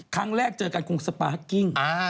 ครั้งแรกเจอกันคงสปาร์คกิ้ง